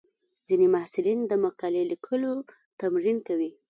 ځینې محصلین د مقالې لیکلو تمرین کوي.